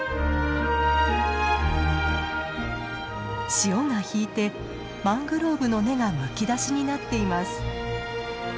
潮が引いてマングローブの根がむき出しになっています。